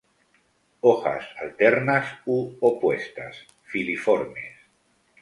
Hojas alternas u opuestas, filiformes.